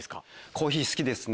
コーヒー好きですね。